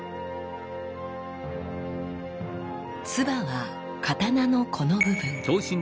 鐔は刀のこの部分。